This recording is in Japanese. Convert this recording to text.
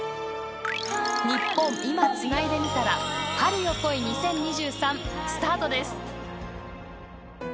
「ニッポン『今』つないでみたら春よ、来い２０２３」スタートです。